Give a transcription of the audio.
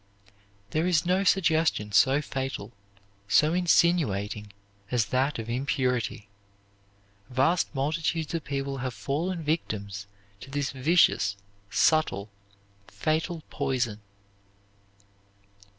There is no suggestion so fatal, so insinuating, as that of impurity. Vast multitudes of people have fallen victims to this vicious, subtle, fatal poison.